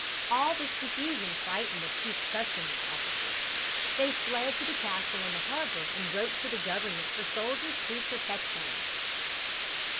All this confusion frightened the chief customs officers. They fled to the castle in the harbor and wrote to the government for soldiers to protect them.